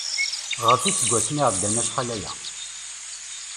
Ɣef iseggasen i iɛeddan acḥal aya.